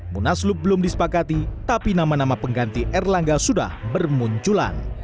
munaslup belum disepakati tapi nama nama pengganti erlangga sudah bermunculan